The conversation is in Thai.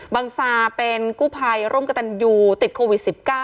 ซาเป็นกู้ภัยร่มกระตันยูติดโควิด๑๙